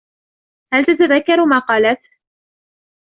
هل تتذكر ما قالته ؟